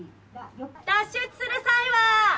脱出する際は。